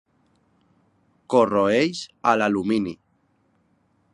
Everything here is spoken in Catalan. Corroeix a l’alumini.